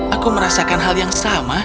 aku merasakan hal yang sama